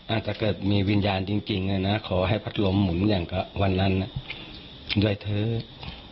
อาจจะเกิดมีวิญญาณจริงเลยนะขอให้พัดลมหมุนอย่างกับวันนั้นด้วยเถอะ